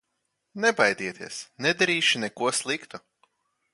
Nebaidieties, nedarīšu neko sliktu!